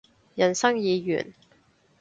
人生已完